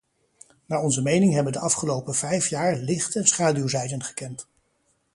Naar onze mening hebben de afgelopen vijf jaar licht- en schaduwzijden gekend.